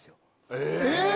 えっ⁉